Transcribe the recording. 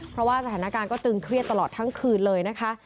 เพราะว่าสถานการณ์ก็ตึงเครียดตลอดทั้งคืนเลยนะคะ